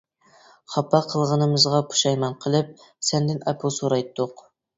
خاپا قىلغىنىمىزغا پۇشايمان قىلىپ، سەندىن ئەپۇ سورايتتۇق.